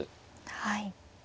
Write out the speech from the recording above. はい。